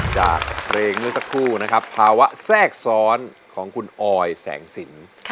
จากเพลงเมื่อสักครู่นะครับภาวะแทรกซ้อนของคุณออยแสงสิน